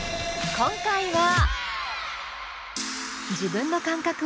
今回は。